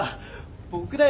僕だよ